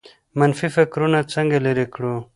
منفي فکرونه څنګه لرې کړو؟